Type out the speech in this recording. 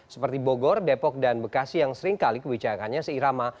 seperti bogor depok dan bekasi yang seringkali kebijakannya seirama